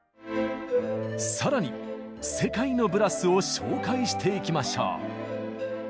さらに世界のブラスを紹介していきましょう！